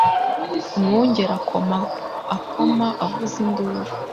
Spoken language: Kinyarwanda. Umwungeri akoma akamo avuza induru